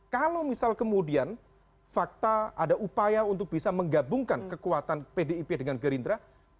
kalau misal kemudian fakta ada upaya untuk bisa menggabungkan kekuatan pdip dengan gerindra